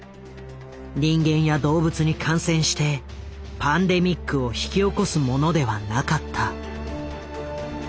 人間や動物に感染してパンデミックを引き起こすものではなかった。